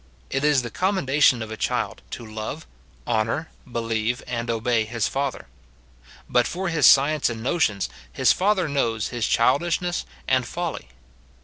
It is tlie commendation of a child to love, honour, believe, and obey his father ; but for his science and notions, his father knows his childishness and folly.